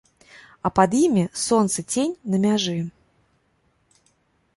А пад імі ад сонца цень на мяжы.